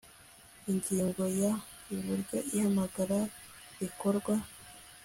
ingingo ya uburyo ihamagara rikorwa